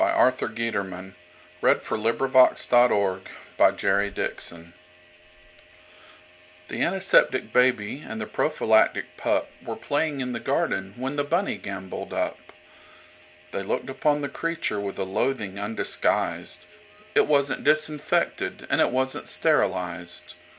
1919. Arthur Guiterman1871–1943 Strictly Germ proof THE ANTISEPTIC BABY and the Prophylactic PupWere playing in the garden when the Bunny gamboled up; They looked upon the Creature with a loathing undisguised;—It wasn't Disinfected and it wasn't Sterilized.